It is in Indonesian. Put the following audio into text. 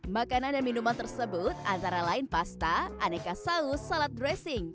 makanan dan minuman tersebut antara lain pasta aneka saus salad dressing